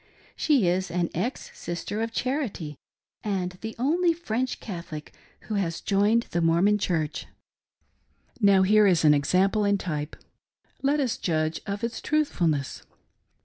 She is an ex Sister of Charity, and the only French Catholic who has joined the "Mormon Church." Now here is an* example in type. Let us judge of its truth fulness.